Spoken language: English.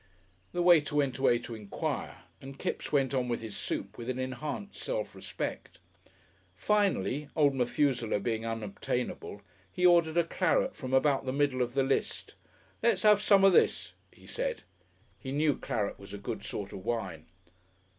The waiter went away to enquire, and Kipps went on with his soup with an enhanced self respect. Finally, Old Methuselah being unobtainable, he ordered a claret from about the middle of the list. "Let's 'ave some of this," he said. He knew claret was a good sort of wine.